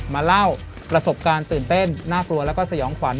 เล่าประสบการณ์ตื่นเต้นน่ากลัวแล้วก็สยองขวัญ